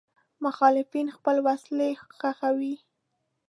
مخالفین خپل وسلې ښخوي.